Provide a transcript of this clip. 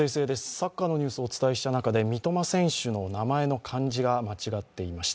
サッカーのニュースをお伝えした中で三笘選手の名前の漢字が間違っていました。